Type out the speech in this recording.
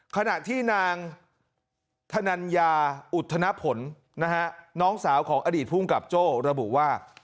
ขณะที่นางธนัญญาอุทธนผลนะฮะน้องสาวของอดีตภูมิกับโจ้ระบุว่า